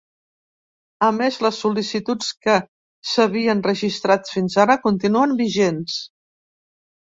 A més, les sol·licituds que s’havien registrat fins ara continuen vigents.